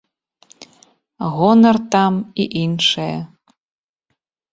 Гонар там і іншае.